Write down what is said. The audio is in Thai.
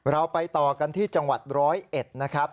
เราไปต่อกันที่จังหวัดร้อยเอ็ดนะครับ